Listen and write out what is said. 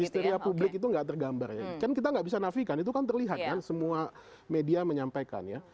histeria publik itu nggak tergambar ya kan kita nggak bisa nafikan itu kan terlihat kan semua media menyampaikan ya